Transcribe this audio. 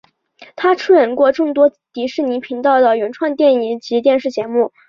他出演过众多迪士尼频道的原创电影及电视节目。